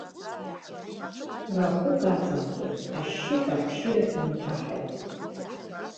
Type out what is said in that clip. Рахәык аҵамхеит, ашьшьыҳәа ахшьыра инҭаҳаит.